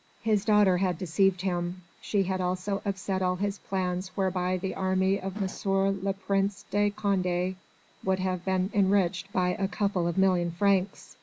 His daughter had deceived him. She had also upset all his plans whereby the army of M. le Prince de Condé would have been enriched by a couple of million francs.